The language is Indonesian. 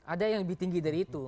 ada yang lebih tinggi dari itu